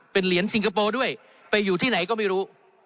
เป็นเหรียญสิงคโปร์ด้วยไปอยู่ที่ไหนก็ไม่รู้